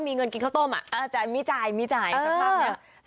มีเงินกินข้าวต้มอ่ะอ่าจะมีจ่ายมีจ่ายสักครั้งเนี่ยเออ